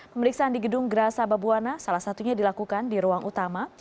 pemeriksaan di gedung grasa babuana salah satunya dilakukan di ruang utama